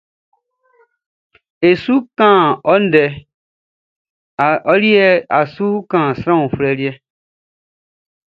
E su kan ɔ ndɛ yɛ a su index sran uflɛ.